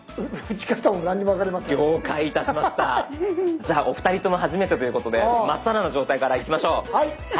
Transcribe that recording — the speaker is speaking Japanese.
じゃあお二人とも初めてということで真っさらの状態からいきましょう。